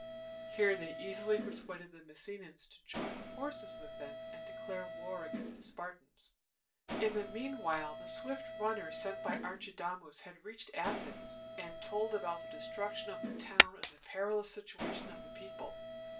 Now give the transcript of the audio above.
Here they easily persuaded the Messenians to join forces with them and declare war against the Spartans. In the mean while the swift runner sent by Archidamus had reached Athens, and told about the destruction of the town and the perilous situation of the people.